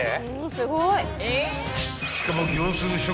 ［しかも］